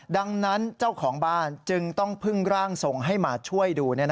ดังนั้นเจ้าของบ้านจึงต้องพึ่งร่างทรงให้มาช่วยดู